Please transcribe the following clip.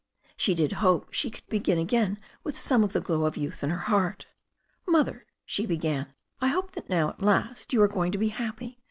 She did hope she could begin again with some of the glow of youth in her heart. "Mother," she began, "I hope that now at last you are going to be happy.